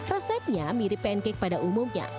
resepnya mirip pancake pada umumnya